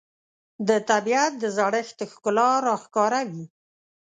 د طبیعت د زړښت ښکلا راښکاره وي